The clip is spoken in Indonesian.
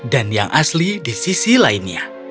dan yang asli di sisi lainnya